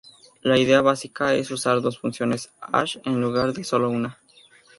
La idea básica es usar dos funciones hash en lugar de sólo una.